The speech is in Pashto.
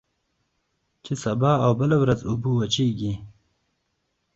چي سبا او بله ورځ اوبه وچیږي